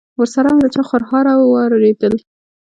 ورسره مې د چا خرهار واورېدل.